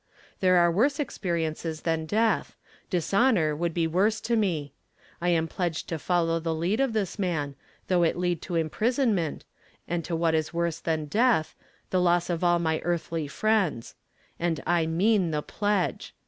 There are woi se experiences than death; dishonor would be worse to me. I am pledged to follow the lead of this man, though it lead to imprisonment, and to what is worse Uian death, — the loss of all my earthly friends ; and Z mean the pledge.